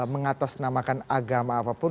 mengatasnamakan agama apapun